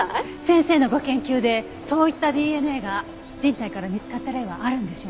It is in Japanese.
先生のご研究でそういったＤＮＡが人体から見つかった例はあるんでしょうか？